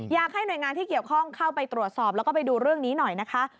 อยากให้หน่วยงานที่เกี่ยวข้องเข้าไปตรวจสอบแล้วก็ไปดูเรื่องนี้หน่อยนะคะ